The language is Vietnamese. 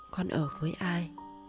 con ở với ai